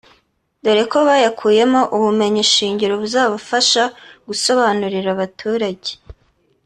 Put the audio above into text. dore ko bayakuyemo ubumenyi shingiro buzabafasha gusobanurira abaturage